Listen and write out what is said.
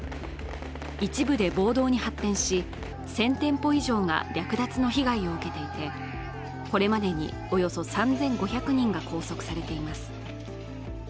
一部で暴動に発展し１０００店舗以上が略奪の被害を受けていて、これまでにおよそ３５００人が拘束されています。